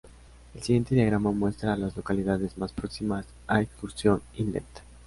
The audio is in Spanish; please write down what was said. El siguiente diagrama muestra a las localidades más próximas a Excursión Inlet.